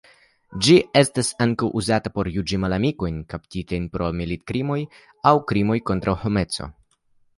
Ĝi estas uzata ankaŭ por juĝi malamikojn kaptitajn pro militkrimoj aŭ krimoj kontraŭ homeco.